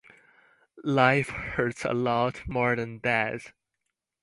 Life hurts a lot more than death.